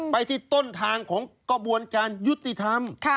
ไปที่ต้นทางของกระบวนการยุติธรรม